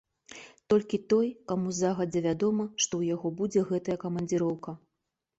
Толькі той, каму загадзя вядома, што ў яго будзе гэтая камандзіроўка.